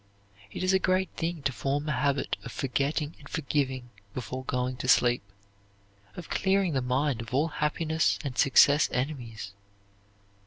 It is a great thing to form a habit of forgetting and forgiving before going to sleep, of clearing the mind of all happiness and success enemies.